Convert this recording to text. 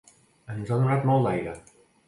I ens ha donat molt d’aire.